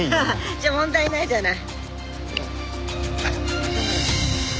じゃあ問題ないじゃない。